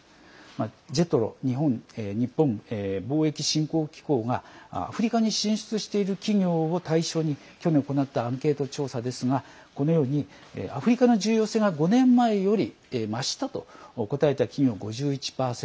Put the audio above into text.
ＪＥＴＲＯ＝日本貿易振興機構がアフリカに進出している企業を去年行ったアンケート調査ですがこのようにアフリカの重要性が５年前より増したと答えた企業が５１％。